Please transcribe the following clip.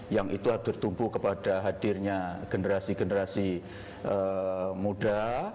yang itu bertumpu kepada hadirnya generasi generasi muda